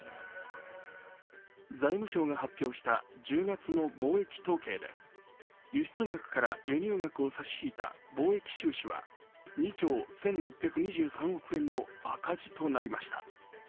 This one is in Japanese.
財務省が発表した１０月の貿易統計で輸出額から輸入額を差し引いた貿易収支は２兆１６２３億円の赤字となりました。